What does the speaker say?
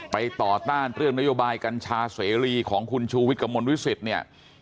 ไปต่อต้านเตรียมนโยบายกัญชาเสรีของคุณชูวิกมนต์วิสิต